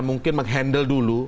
mungkin menghandle dulu